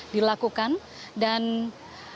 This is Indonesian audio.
dilakukan dan diberikan pengawasan khusus